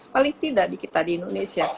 paling tidak di kita di indonesia